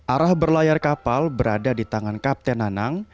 arah berlayar kapal berada di tangan kapten anang